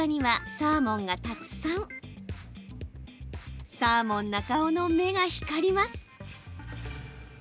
サーモン中尾の目が光ります。